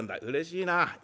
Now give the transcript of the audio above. うれしいなあ。